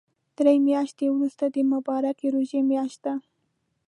دري مياشتی ورسته د مبارکی ژوری مياشت ده